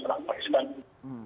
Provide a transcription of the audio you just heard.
dan banyak lagi yang berada di sana